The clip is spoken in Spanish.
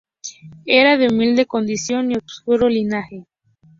Era de humilde condición y obscuro linaje.